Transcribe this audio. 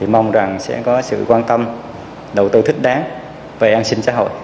mong rằng sẽ có sự quan tâm đầu tư thích đáng về an sinh xã hội